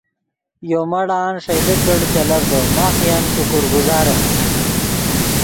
یو مڑآن ݰئیلے کڑ چلڤدو ماخ ین شکر گزارے